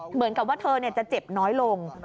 เหมือนกับว่าเธอจะเจ็บน้อยลง